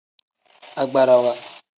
Agbarawa.